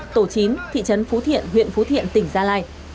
tổ chín thị trấn phú thiện huyện phú thiện tỉnh gia lai